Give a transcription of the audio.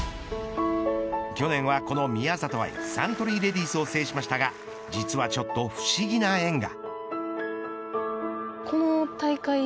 去年はこの宮里藍サントリーレディスを制しましたが実はちょっと不思議な縁が。